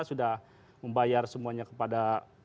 sudah membayar semuanya kepada